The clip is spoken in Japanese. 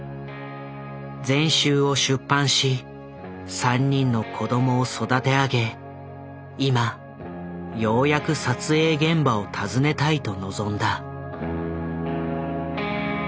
全集を出版し３人の子供を育て上げ今ようやく撮影現場を訪ねたいと望んだ。